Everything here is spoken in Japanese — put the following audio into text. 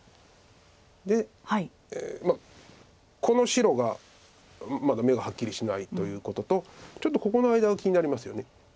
でまあこの白がまだ眼がはっきりしないということとちょっとここの間は気になりますよね。